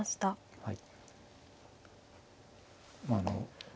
はい。